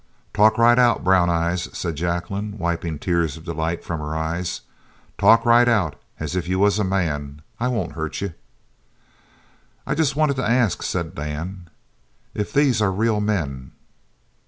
"Talk right out, Brown eyes," said Jacqueline, wiping the tears of delight from her eyes. "Talk right out as if you was a man. I won't hurt you." "I jest wanted to ask," said Dan, "if these are real men?"